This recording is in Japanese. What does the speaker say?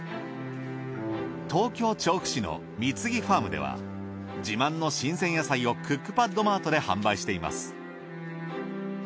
東京調布市のみつぎファームでは自慢の新鮮野菜をクックパッドマートで販売しています。